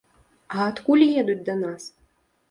А адкуль едуць да нас?